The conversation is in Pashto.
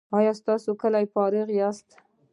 ایا تاسو کله فارغ یاست؟